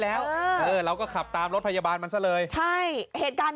แล้วก็ตามเป็นรถเปิดทาง